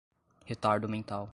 retardo mental